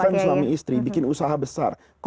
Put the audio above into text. bukan suami istri bikin usaha besar